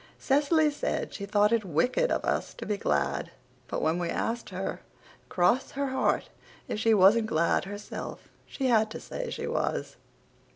Cecily said she thought it wicked of us to be glad. But when we asked her "cross her heart" if she wasn't glad herself she had to say she was.